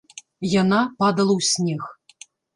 Яна падала ў снег.